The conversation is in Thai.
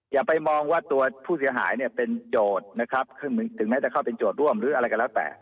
อย่าไปมองว่าตัวผู้เสียหายเนี่ยเป็นโจทย์นะครับถึงแม้จะเข้าเป็นโจทย์ร่วมหรืออะไรก็แล้วแต่